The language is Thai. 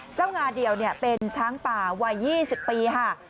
เจ้างาเดียวเนี่ยเป็นช้างป่าวัย๒๐ปีค่ะ